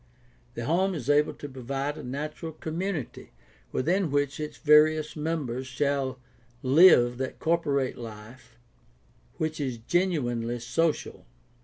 The home is able to provide a natural community within which its various mem bers shall live that corporate life which is genuinely social.